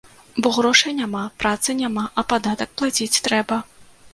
Бо грошай няма, працы няма, а падатак плаціць трэба.